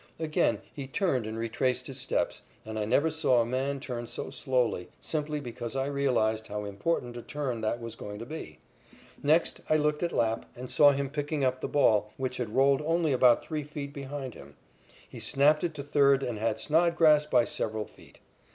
Again he turned and retraced his steps, and I never saw a man turn so slowly, simply because I realized how important a turn that was going to be. Next I looked at Lapp and saw him picking up the ball, which had rolled only about three feet behind him. He snapped it to third and had Snodgrass by several feet.